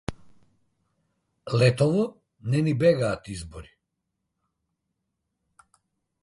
Летово не ни бегаат избори